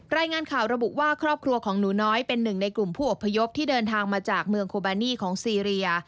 รายงานข่าวระบุว่าครอบครัวของหนูน้อยเป็นหนึ่งในกลุ่มผู้อบพยพที่เดินทางมาจากเมืองโคบานีของซีเรีย